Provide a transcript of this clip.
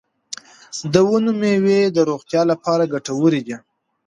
د ونو میوې د روغتیا لپاره ګټورې دي.